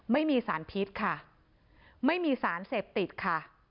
ไม่มีสารพิษค่ะไม่มีสารเสพติดค่ะ